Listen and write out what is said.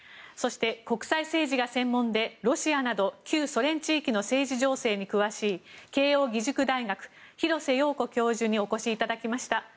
そして、国際政治が専門でロシアなど旧ソ地域の政治情勢に詳しい慶應義塾大学、廣瀬陽子教授にお越しいただきました。